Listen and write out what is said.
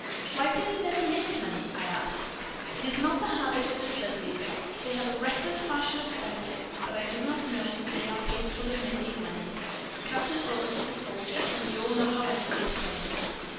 "'Why can he never make money?' I asked. "'It is not the habit of the Studleighs: they have a reckless fashion of spending, but I do not know that they are capable of making money. Captain Ulric is a soldier, and we all know how empty is fame.'